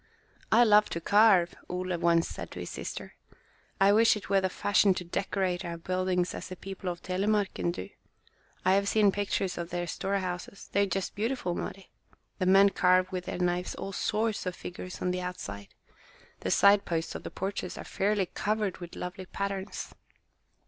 "I love to carve," Ole once said to his sister. "I wish it were the fashion to decorate our buildings as the people of Thelemarken do. I have seen pictures of their storehouses. They are just beautiful, Mari. The men carve with their knives all sorts of figures on the outside. The side posts of the porches are fairly covered with lovely patterns."